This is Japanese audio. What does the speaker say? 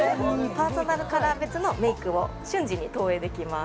パーソナルカラー別のメイクを瞬時に投影できます